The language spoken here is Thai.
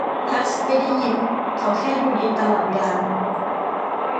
ทักซ์ไม่ได้ยิ้มเขาแค่ดูดีตลอดเวลา